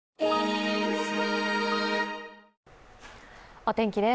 お天気です。